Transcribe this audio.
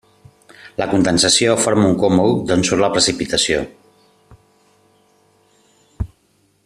La condensació forma un cúmul d’on surt la precipitació.